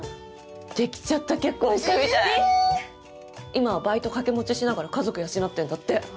今はバイト掛け持ちしながら家族養ってんだって。